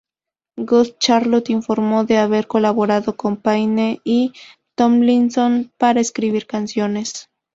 Good Charlotte informó de haber colaborado con Payne y Tomlinson para escribir canciones.